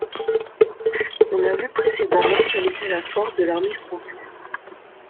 On a vu précédemment quelle était la force de l'armée française.